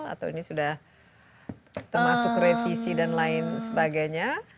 atau ini sudah termasuk revisi dan lain sebagainya